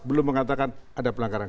belum mengatakan ada pelanggaran